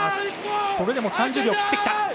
それでも３０秒切ってきた。